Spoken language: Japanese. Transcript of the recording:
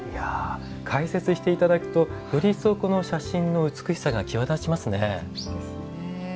解説していただくとより一層、写真の美しさが際立ちますね。